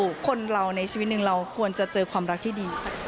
คนเราในชีวิตหนึ่งเราควรจะเจอความรักที่ดี